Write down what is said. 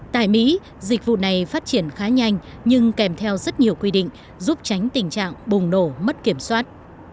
tại mỹ dịch vụ này phát triển khá nhanh nhưng kèm theo rất nhiều quy định giúp tránh tình trạng bùng nổ mất kiểm soát